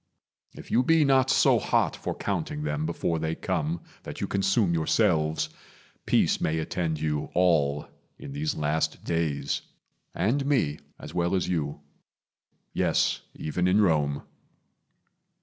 If you be not so hot for counting them Before they come that you consume yourselves, Peace may attend you all in these last days And me, as well as you. Yes, even in Rome.